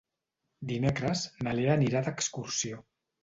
Dimecres na Lea anirà d'excursió.